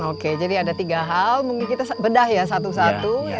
oke jadi ada tiga hal mungkin kita bedah ya satu satu